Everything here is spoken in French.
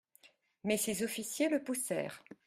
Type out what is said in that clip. Mais ses officiers le poussèrent.